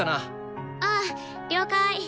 ああ了解。